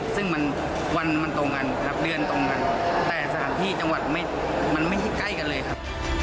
ซึ่งมันวันมันตรงกันรับเดือนตรงกันแต่สถานที่จังหวัดมันไม่ใช่ใกล้กันเลยครับ